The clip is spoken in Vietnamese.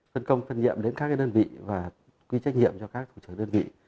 phân công phân nhiệm đến các đơn vị và quy trách nhiệm cho các thủ trưởng đơn vị